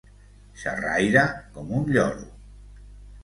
Xerraire com un lloro.